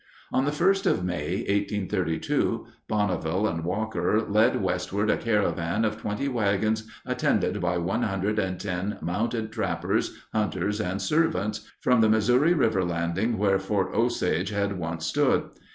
On the first of May, 1832, Bonneville and Walker led westward a caravan of twenty wagons attended by one hundred and ten mounted trappers, hunters, and servants from the Missouri River landing where Fort Osage had once stood.